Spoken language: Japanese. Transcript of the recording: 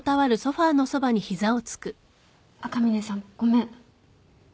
赤嶺さんごめん。